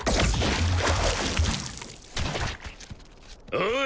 おい。